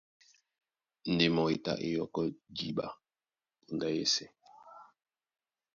Ndé mbɔ́ e tá é yɔkɔ́ jǐɓa póndá yɛ́sɛ̄.